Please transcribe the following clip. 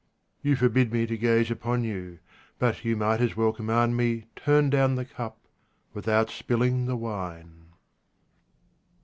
You forbid me to gaze upon vou, but you might as well command me turn down the cup without spilling the wine.